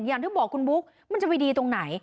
อย่างที่บอกคุณบุ๊กมันจะไปดีตรงไหน